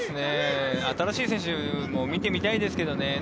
新しい選手も見てみたいですけどね。